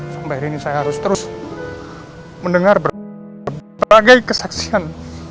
sampai hari ini saya harus terus mendengar berbagai kesaksian